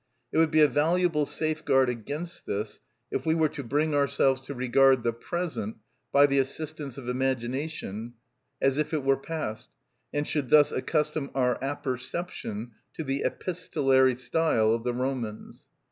It would be a valuable safeguard against this if we were to bring ourselves to regard the present, by the assistance of imagination, as if it were past, and should thus accustom our apperception to the epistolary style of the Romans.